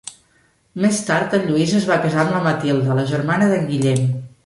Més tard en Lluís es va casar amb la Matilda, la germana d'en Guillem.